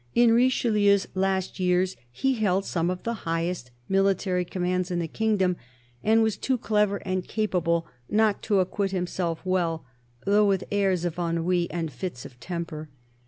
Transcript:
In Richelieu's last years he held some of the highest military commands in the kingdom, and was too clever and capable not to acquit himself well, though with airs of ennui and fits of temper.